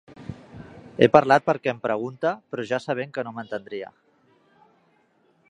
He parlat perquè em pregunta, però ja sabent que no m'entendria.